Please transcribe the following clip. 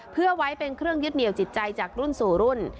เพื่อไว้เป็นเครื่องยึดเหนียวจิตใจจากรุ่นสู่รุ่น